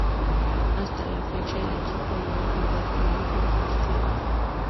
Hasta la fecha el equipo no ha jugado ningún partido.